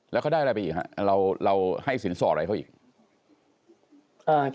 แล้วเขาได้อะไรไปอีกฮะเราให้สินสอดอะไรเขาอีก